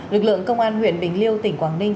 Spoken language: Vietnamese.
lực lượng công an huyện bình liêu tỉnh quảng ninh